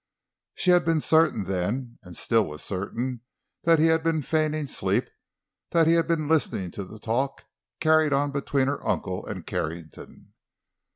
She had been certain then, and still was certain that he had been feigning sleep, that he had been listening to the talk carried on between her uncle and Carrington.